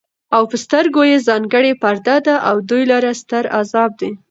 او پر سترگو ئې ځانگړې پرده ده او دوى لره ستر عذاب دی